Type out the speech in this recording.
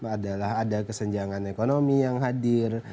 adalah ada kesenjangan ekonomi yang hadir